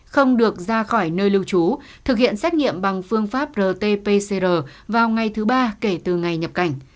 không được ra khỏi nơi lưu trú thực hiện xét nghiệm bằng phương pháp rt pcr vào ngày thứ ba kể từ ngày nhập cảnh